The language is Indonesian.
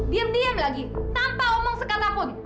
diam diam lagi tanpa omong sekatapun